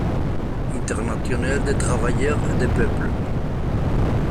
Internationale des travailleurs et des peuples.